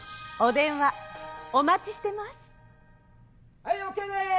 はいＯＫです！